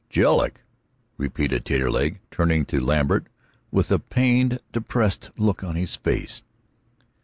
"Jedlick!" repeated Taterleg, turning to Lambert with a pained, depressed look on his face.